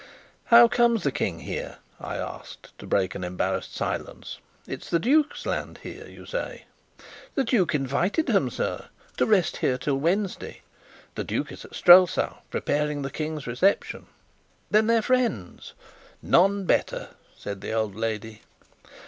"How comes the King here?" I asked, to break an embarrassed silence. "It is the duke's land here, you say." "The duke invited him, sir, to rest here till Wednesday. The duke is at Strelsau, preparing the King's reception." "Then they're friends?" "None better," said the old lady.